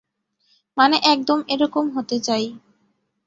মানে একদম এরকম হতে চাই।